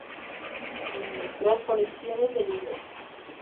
Ilustró colecciones de libros.